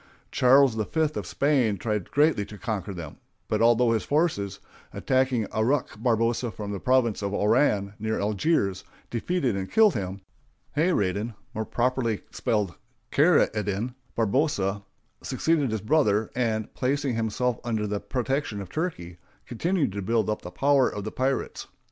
Charles V of Spain tried greatly to conquer them; but although his forces, attacking Aruck Barbarossa from the province of Oran, near Algiers, defeated and killed him, Hayradin (more properly spelled Khair ed din) Barbarossa succeeded his brother, and, placing himself under the protection of Turkey, continued to build up the power of the pirates.